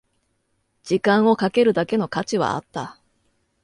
時間をかけるだけの価値はあった